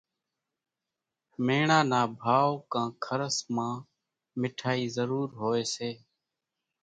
ميڻا نا ڀائو ڪان کرس مان مِٺائِي ضرور هوئيَ سي۔